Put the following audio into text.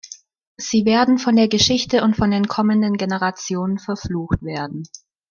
Sie werden von der Geschichte und von den kommenden Generationen verflucht werden.